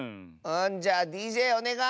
じゃあＤＪおねがい！